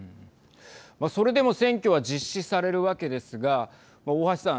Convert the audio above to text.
それでも選挙は実施されるわけですが大橋さん。